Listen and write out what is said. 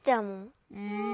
うん。